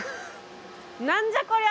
何じゃこりゃ！